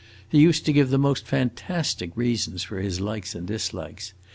He used to give the most fantastic reasons for his likes and dislikes.